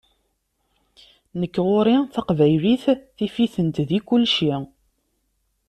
Nekk ɣur-i Taqbaylit tif-itent di kulci.